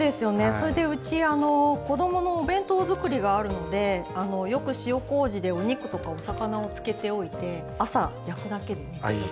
それでうち子どものお弁当作りがあるのでよく塩こうじでお肉とかお魚を漬けておいて朝焼くだけでひと品できるので簡単なんです。